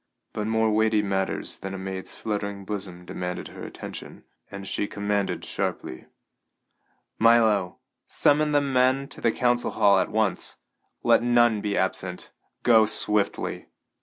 But more weighty matters than a maid's fluttering bosom demanded her attention, and she commanded sharply: "Milo, summon the men to the council hall at once. Let none be absent. Go swiftly!"